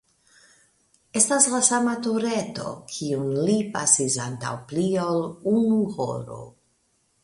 Estas la sama tureto, kiun li pasis antaŭ pli ol unu horo.